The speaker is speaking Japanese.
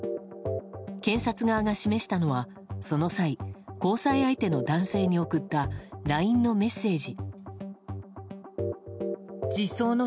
検察側が示したのは、その際交際相手の男性に送ったＬＩＮＥのメッセージ。